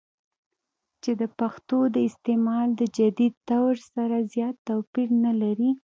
چې دَپښتو دَاستعمال دَجديد دور سره زيات توپير نۀ لري